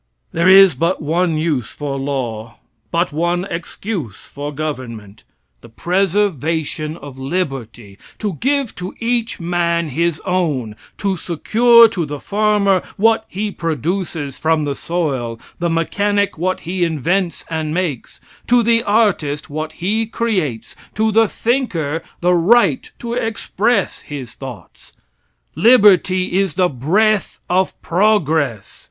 There is but one use for law, but one excuse for government the preservation of liberty to give to each man his own, to secure to the farmer what he produces from the soil, the mechanic what he invents and makes, to the artist what he creates, to the thinker the right to express his thoughts. Liberty is the breath of progress.